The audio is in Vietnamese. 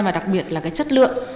và đặc biệt là cái chất lượng